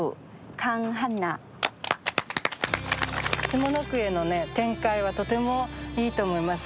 下の句への展開はとてもいいと思います。